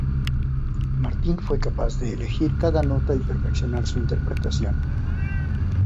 Martin fue capaz de elegir cada nota y perfeccionar su interpretación.